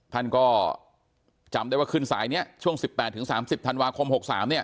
ท่านก็จำได้ว่าขึ้นสายเนี้ยช่วงสิบแปดถึงสามสิบธันวาคมหกสามเนี้ย